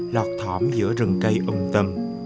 lọt thóm giữa rừng cây ung tâm